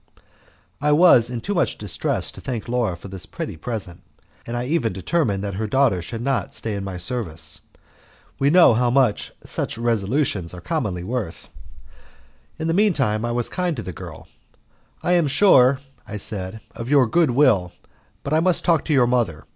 I was in too much distress to thank Laura for this pretty present, and I even determined that her daughter should not stay in my service. We know how much such resolutions are commonly worth. In the meanwhile I was kind to the girl: "I am sure," I said, "of your goodwill, but I must talk to your mother.